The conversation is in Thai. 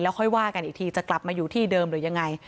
ค่อยว่ากันอีกทีจะกลับมาอยู่ที่เดิมหรือยังไง